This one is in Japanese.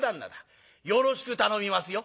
よろしく頼みますよ」。